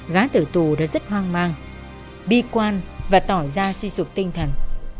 gái tử tù đã rất hoang mang bi quan và tỏi da suy sụp tinh thần